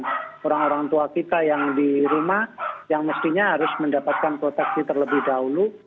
dan orang orang tua kita yang di rumah yang mestinya harus mendapatkan proteksi terlebih dahulu